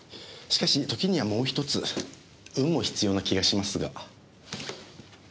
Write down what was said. しかし時にはもう１つ運も必要な気がしますが。